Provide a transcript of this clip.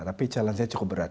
tapi challenge nya cukup berat